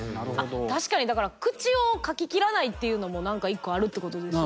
確かにだから口を描き切らないっていうのも何か１個あるってことですよね。